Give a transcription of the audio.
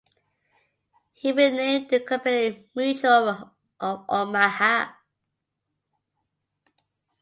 He renamed the company "Mutual of Omaha".